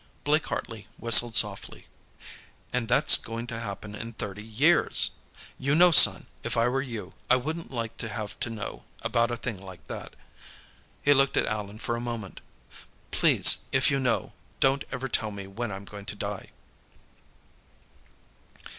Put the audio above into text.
Blake Hartley whistled softly. "And that's going to happen in thirty years! You know, son, if I were you, I wouldn't like to have to know about a thing like that." He looked at Allan for a moment. "Please, if you know, don't ever tell me when I'm going to die."